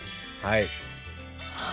はい。